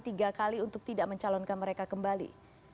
tiga kali untuk tidak mencalonkan mereka kembali